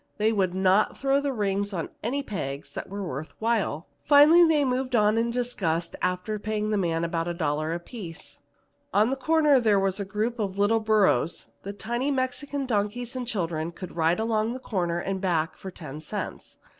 They would not throw the rings on any peg that was worth while. Finally they moved on in disgust, after paying the man about a dollar apiece. On a corner were a group of little burros, the tiny Mexican donkeys and children could ride along to the corner and back for ten cents.